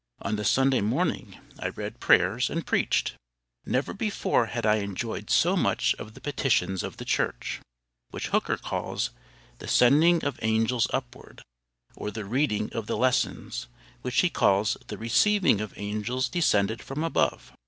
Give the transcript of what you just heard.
On the Sunday morning, I read prayers and preached. Never before had I enjoyed so much the petitions of the Church, which Hooker calls "the sending of angels upward," or the reading of the lessons, which he calls "the receiving of angels descended from above."